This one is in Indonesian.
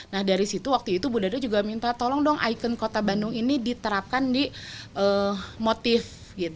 nah dari situ waktu itu bu dada juga minta tolong dong ikon kota bandung ini diterapkan di motif